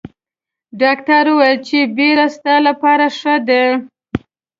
ډاکټر ویل چې بیر ستا لپاره ښه دي.